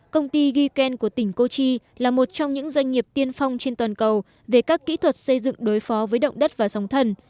công ty giken của tỉnh kochi là một trong những doanh nghiệp tiên phong trên toàn cầu về các kỹ thuật xây dựng đối phó với động đất và sóng thần